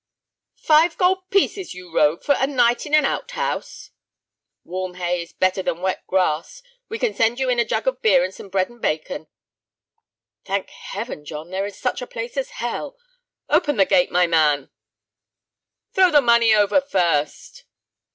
"Five gold pieces, you rogue, for a night in an out house?" "Warm hay is better than wet grass. We can send you in a jug of beer and some bread and bacon." "Thank Heaven, John, there is such a place as hell! Open the gate, my man." "Throw the money over first."